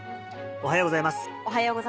おはようございます。